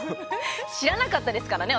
知らなかったですからね